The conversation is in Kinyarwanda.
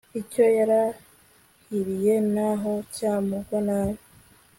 icyo yarahiriye, n'aho cyamugwa nabi